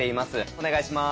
お願いします。